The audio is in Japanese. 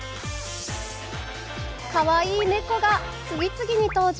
かわいい猫が次々に登場